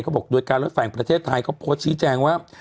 บอกโดยการรถฝั่งประเทศไทยเขาโพสต์ชี้แจงว่า